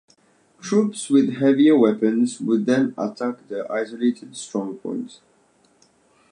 Troops with heavier weapons would then attack the isolated strongpoints.